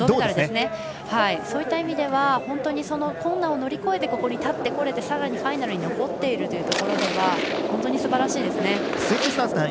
そういった意味では困難を乗り越えてここに立ってこれてさらにファイナルに残っているというところでは本当にすばらしいですね。